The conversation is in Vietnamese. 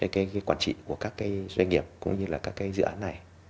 cái quản trị của các cái doanh nghiệp cũng như là các cái dự án này